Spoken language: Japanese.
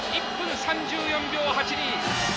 １分３４秒８２。